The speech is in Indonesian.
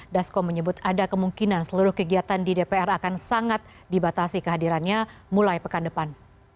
dasko menyebut ada kemungkinan seluruh kegiatan di dpr akan sangat dibatasi kehadirannya mulai pekan depan